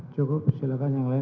cukup silahkan yang lain